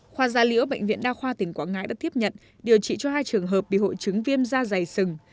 khoa gia liễu bệnh viện đa khoa tỉnh quảng ngãi đã tiếp nhận điều trị cho hai trường hợp bị hội chứng viêm da dày sừng